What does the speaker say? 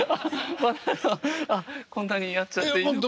こんなにやっちゃっていいんですか？